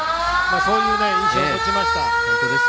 そういう印象を持ちました。